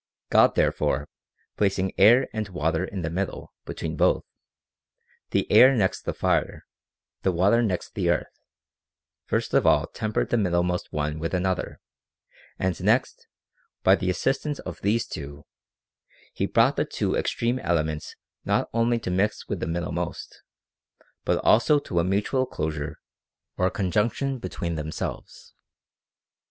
God therefore, plac ing air and water in the middle between both, — the air next the fire, the water next the earth, — first of all tem pered the middlemost one with another, and next, by the assistance of these two, he brought the two extreme ele ments not only to mix with the middlemost, but also to a mutual closure or conjunction between themselves.